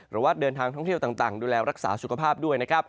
หรือว่าเดินทางท่องเที่ยวต่างดูแลรักษาสุขภาพด้วยนะครับ